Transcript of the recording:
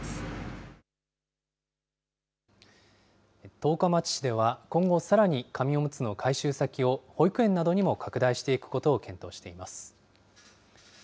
十日町市では、今後さらに紙おむつの回収先を、保育園などにも拡大していくことを検討しています。